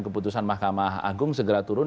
keputusan mahkamah agung segera turun